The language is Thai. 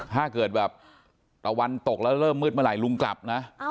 ถ้าเกิดแบบตะวันตกแล้วเริ่มมืดเมื่อไหร่ลุงกลับนะ